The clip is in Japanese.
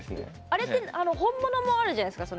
あれって本物もあるじゃないですか